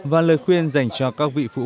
và lời khuyên dành cho các vị phụ huynh